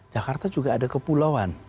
jakarta juga ada kepulauan